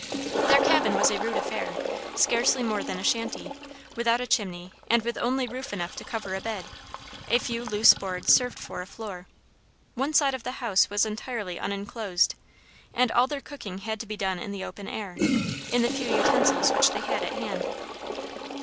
Their cabin was a rude affair, scarcely more than a shanty, without a chimney, and with only roof enough to cover a bed; a few loose boards served for a floor; one side of the house was entirely unenclosed, and all their cooking had to be done in the open air, in the few utensils which they had at hand.